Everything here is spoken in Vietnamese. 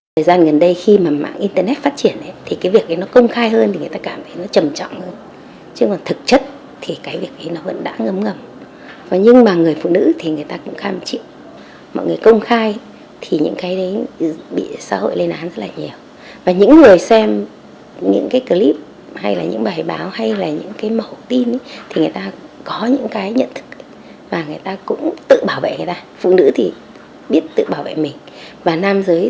thời gian gần đây khi mà mạng internet phát triển thì cái việc ấy nó công khai hơn thì người ta cảm thấy nó trầm trọng hơn chứ còn thực chất thì cái việc ấy nó vẫn đã ngấm ngầm nhưng mà người phụ nữ thì người ta cũng kham chịu mọi người công khai thì những cái đấy bị xã hội lên án rất là nhiều và những người xem những cái clip hay là những bài báo hay là những cái mẫu tin thì người ta có những cái nhận thức và người ta cũng tự bảo vệ người ta phụ nữ thì biết tự bảo vệ mình và nam giới thì biết tự bảo vệ mình